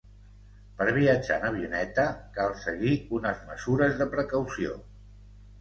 Per viatjar en avioneta, cal seguir unes mesures de precaució.